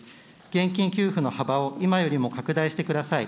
現金給付の幅を今よりも拡大してください。